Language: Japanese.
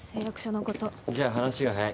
じゃあ話が早い。